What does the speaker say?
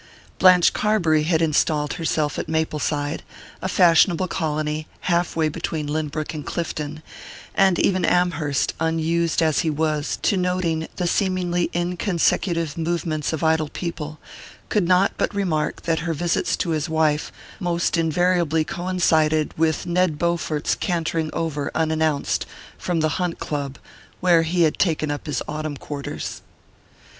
Blanche Carbury had installed herself at Mapleside, a fashionable colony half way between Lynbrook and Clifton, and even Amherst, unused as he was to noting the seemingly inconsecutive movements of idle people, could not but remark that her visits to his wife almost invariably coincided with Ned Bowfort's cantering over unannounced from the Hunt Club, where he had taken up his autumn quarters.